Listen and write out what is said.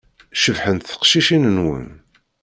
Cebḥent teqcicin-nwen.